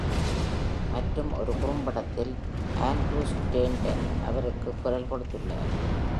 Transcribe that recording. மற்றும் ஒரு குறும்படத்தில் ஆண்ட்ரூ ஸ்டேண்டன் அவருக்கு குரல் கொடுத்துள்ளார்.